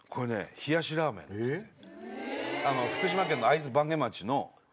冷やしラーメンって。